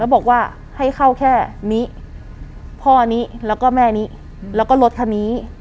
บอกว่าให้เข้าแค่นี้พ่อนี้แล้วก็แม่นี้แล้วก็รถคันนี้